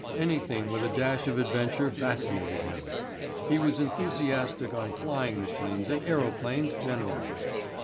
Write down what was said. Anything with a dash of adventure fascinated him. He was enthusiastic on flying machines and aeroplanes generally.